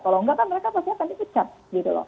mereka pasti akan dipecat gitu loh